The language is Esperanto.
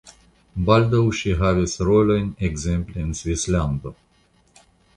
Baldaŭ ŝi havis rolojn ekzemple en Svislando.